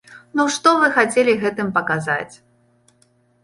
Ну што вы хацелі гэтым паказаць?!